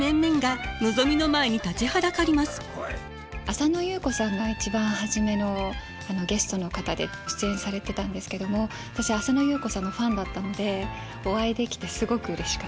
浅野ゆう子さんが一番初めのゲストの方で出演されてたんですけども私浅野ゆう子さんのファンだったのでお会いできてすごくうれしかったです。